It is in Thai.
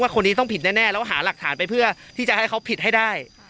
คนนี้ต้องผิดแน่แล้วหาหลักฐานไปเพื่อที่จะให้เขาผิดให้ได้